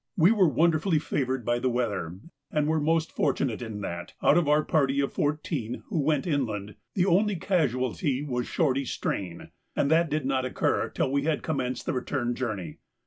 We were wonderfully favoured by the weather, and were most fortunate in that, out of the party of fourteen who went inland, the only casualty was Shorty's strain, and that did not occur till we had commenced the return journey.